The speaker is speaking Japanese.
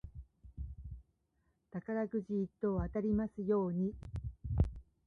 宝くじ一等当たりますように。